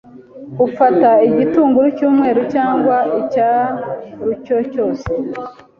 Ufata igitunguru cyumweru cyangwa icyarucyo cyose